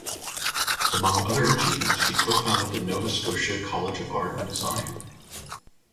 Among other achievements, she co-founded the Nova Scotia College of Art and Design.